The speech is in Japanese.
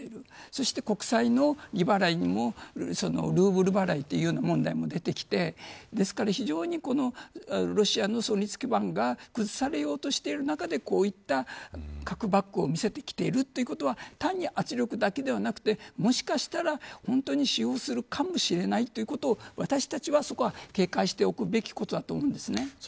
そして国債の利払いにもルーブル払いというような問題も出てきてですから非常にロシアの存立基盤が崩されようとしている中でこういった核バッグを見せてきているということは単に圧力だけではなくもしかしたら本当に使用するかもしれないということを私たちはそこは警戒しておくべきことだと思います。